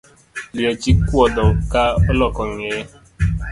Liech ikuodho ka oloko ngeye